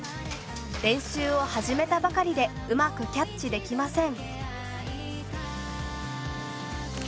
練習を始めたばかりでうまくキャッチできません。